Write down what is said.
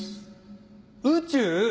宇宙！